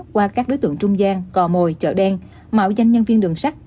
qua các đối tượng trung gian cò mồi chợ đen mạo danh nhân viên đường sắt